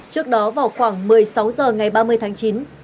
trước đó vào khoảng một mươi sáu h ngày ba mươi tháng chín